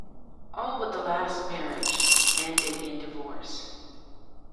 All but the last marriage ended in divorce.